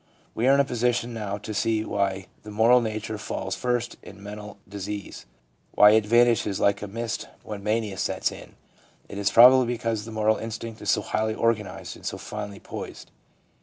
We are in a position now to see why the moral nature falls first in mental disease, why it vanishes like a mist when mania sets in. It is probably because the moral instinct is so highly organised and so finely poised.